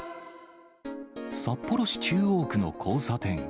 札幌市中央区の交差点。